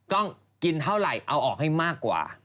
ต้องกินเท่าไหร่เอาออกให้มากกว่า